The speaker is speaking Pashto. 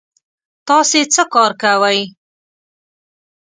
تاسې څه کار کوی؟